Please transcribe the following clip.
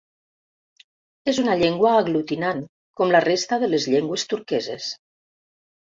És una llengua aglutinant, com la resta de llengües turqueses.